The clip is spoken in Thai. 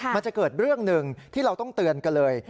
มันจะเกิดเรื่องหนึ่งที่เราต้องเตือนกันเลย